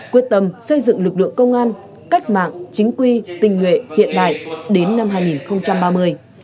quyết tâm xây dựng lực lượng công an cách mạng chính quy tinh nguyện hiện đại đến năm hai nghìn ba mươi